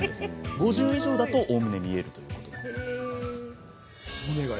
５０以上だとおおむね見えるということです。